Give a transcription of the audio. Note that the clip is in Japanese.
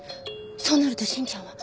そうなると真ちゃんは。